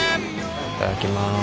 いただきます。